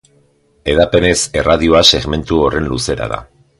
Hedapenez erradioa segmentu horren luzera da.